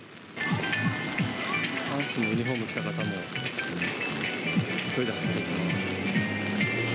阪神のユニホームを着た方も、急いで走っていきます。